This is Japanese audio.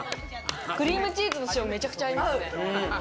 クリームチーズと塩、めちゃくちゃ合いますね！